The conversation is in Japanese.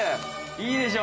いいでしょ。